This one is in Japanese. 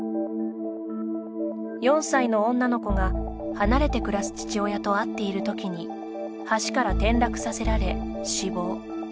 ４歳の女の子が、離れて暮らす父親と会っているときに橋から転落させられ死亡。